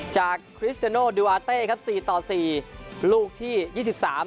จากคริสเตอร์โนโดวาเตย์ครับสี่ต่อสี่ลูกที่ยี่สิบสาม